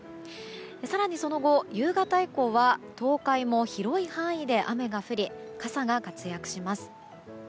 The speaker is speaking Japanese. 更にその後、夕方以降は東海も広い範囲で雨が降り傘が活躍します。